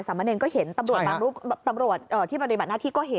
สามเมรินก็เห็นตำรวจที่ปฏิบัติหน้าที่ก็เห็น